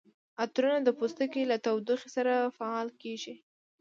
عطرونه د پوستکي له تودوخې سره فعال کیږي.